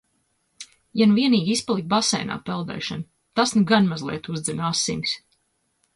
Ja nu vienīgi izpalika baseinā peldēšana, tas nu gan mazliet uzdzen asinis.